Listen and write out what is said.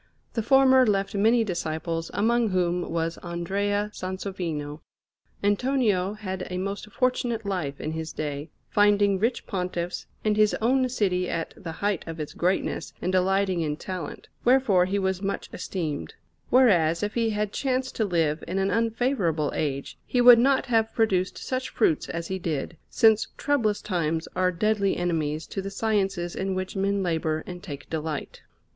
The former left many disciples, among whom was Andrea Sansovino. Antonio had a most fortunate life in his day, finding rich Pontiffs, and his own city at the height of its greatness and delighting in talent, wherefore he was much esteemed; whereas, if he had chanced to live in an unfavourable age, he would not have produced such fruits as he did, since troublous times are deadly enemies to the sciences in which men labour and take delight.